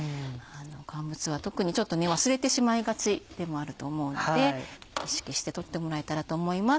乾物は特に忘れてしまいがちでもあると思うので意識して取ってもらえたらと思います。